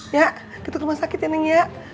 ya kita ke rumah sakit ya ning ya